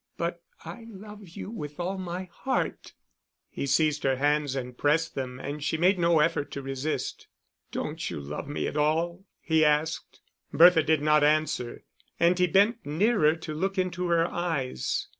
"But I love you with all my heart." He seized her hands and pressed them, and she made no effort to resist. "Don't you love me at all?" he asked. Bertha did not answer, and he bent nearer to look into her eyes.